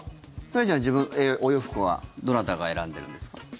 まりあちゃん、お洋服はどなたが選んでるんですか？